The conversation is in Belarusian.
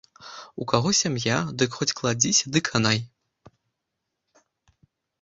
У каго сям'я, дык хоць кладзіся ды канай.